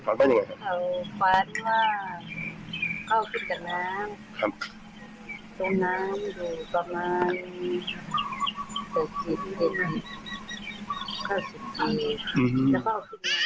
แล้วพ่อเอาขึ้นมาเอามาอาบน้อย